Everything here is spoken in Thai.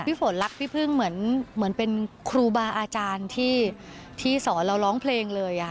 ฝนรักพี่พึ่งเหมือนเป็นครูบาอาจารย์ที่สอนเราร้องเพลงเลย